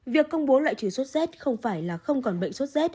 việc công bố loại trừ sốt z không phải là không còn bệnh sốt rét